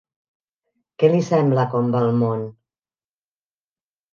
Què li sembla com va el món?